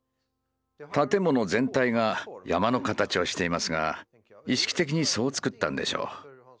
建物全体が山の形をしていますが意識的にそうつくったんでしょう。